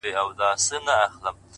اخلاص د اړیکو ریښتینی بنسټ جوړوي